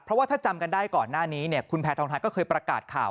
เพราะว่าถ้าจำกันได้ก่อนหน้านี้เนี่ยคุณแพทองทานก็เคยประกาศข่าว